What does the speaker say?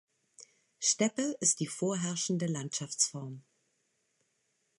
Steppe ist die vorherrschende Landschaftsform.